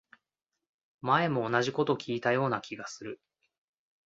前も同じこと聞いたような気がする